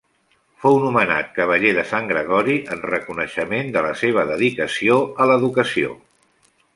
Fou nomenat cavaller de Sant Gregori en reconeixement de la seva dedicació a l'educació.